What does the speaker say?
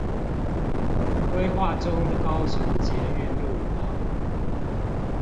規劃中的高雄捷運路網